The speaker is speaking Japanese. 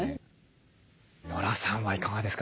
ノラさんはいかがですか？